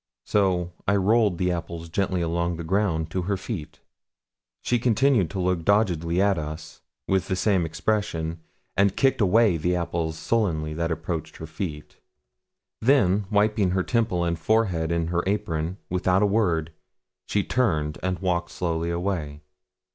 So I rolled the apples gently along the ground to her feet. She continued to look doggedly at us with the same expression, and kicked away the apples sullenly that approached her feet. Then, wiping her temple and forehead in her apron, without a word, she turned and walked slowly away.